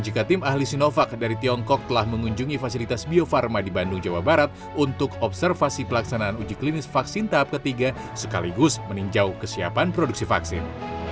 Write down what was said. jika tim ahli sinovac dari tiongkok telah mengunjungi fasilitas bio farma di bandung jawa barat untuk observasi pelaksanaan uji klinis vaksin tahap ketiga sekaligus meninjau kesiapan produksi vaksin